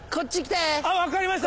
分かりました